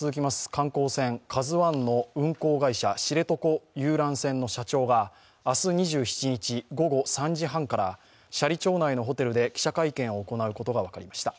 観光船「ＫＡＺＵⅠ」の運航会社・知床遊覧船の社長が明日２７日午後３時半から、斜里町内のホテルで記者会見を行うことが分かりました。